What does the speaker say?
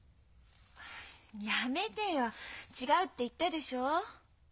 やめてよ「違う」って言ったでしょう。